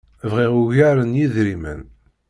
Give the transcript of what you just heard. Bɣiɣ ugar n yidrimen.